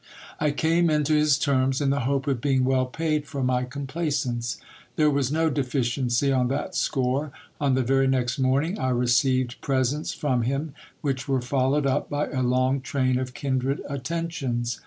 I came into his terms, in the hope of being well paid for my complaisance. There was no deficiency on that score. On the very next morning, I received presents from him, which were followed up by a long train of kindred attentions.